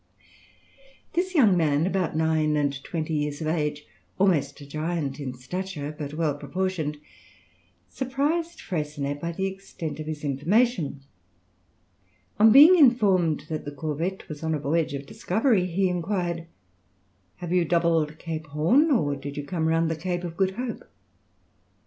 This young man, about nine and twenty years of age, almost a giant in stature, but well proportioned, surprised Freycinet by the extent of his information. On being informed that the corvette was on a voyage of discovery, he inquired, "Have you doubled Cape Horn or did you come round the Cape of Good Hope?"